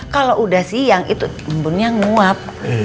kalau udah siang itu embunnya nguap